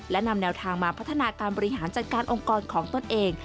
และนำแนวทางมาพัฒนาการบริหารจัดการองค์กรของตนเอง